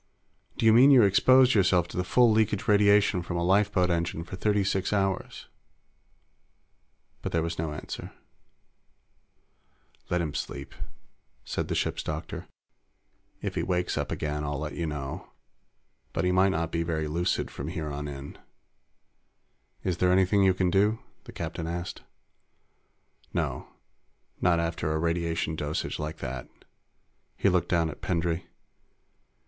"Do you mean you exposed yourself to the full leakage radiation from a lifeboat engine for thirty six hours?" But there was no answer. "Let him sleep," said the ship's doctor. "If he wakes up again, I'll let you know. But he might not be very lucid from here on in." "Is there anything you can do?" the captain asked. "No. Not after a radiation dosage like that." He looked down at Pendray.